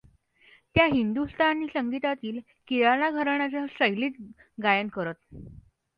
त्या हिंदुस्तानी संगीतातील किराणा घराण्याच्या शैलीत गायन करत.